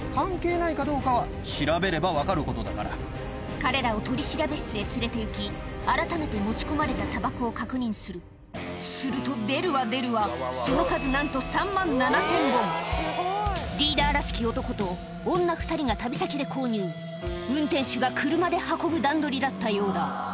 彼らを取調室へ連れていきあらためて持ち込まれたたばこを確認するすると出るわ出るわその数なんとが旅先で購入運転手が車で運ぶ段取りだったようだ